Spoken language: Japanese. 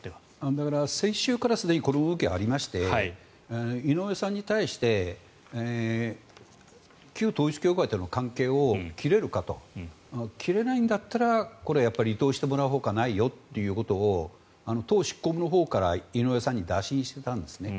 だから、先週からすでにこの動きはありまして井上さんに対して旧統一教会との関係を切れるかと切れないんだったらこれはやっぱり離党してもらうほかないよということを党執行部のほうから井上さんに打診していたんですね。